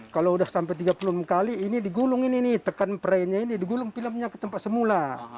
kalau sudah sampai tiga puluh lima kali ini digulung ini nih tekan perannya ini digulung filmnya ke tempat semula